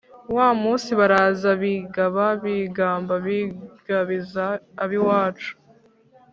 Wa munsi baraza Bigaba bigamba Bigabiza ab’iwacu!